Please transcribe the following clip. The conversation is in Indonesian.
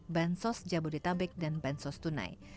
bansos jabodetabek dan bansos tunai